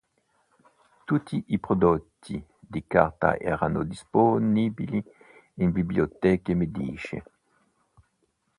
Tutti i prodotti di carta erano disponibili in biblioteche mediche.